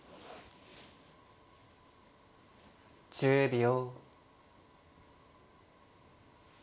１０秒。